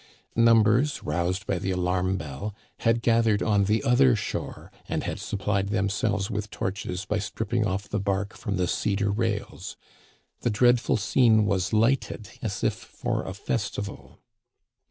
Numbers, roused by the alarm bell, had gathered on the other shore and had supplied themselves with torches by stripping off the bark from the cedar rails. The dreadful scene was lighted as if for a festival.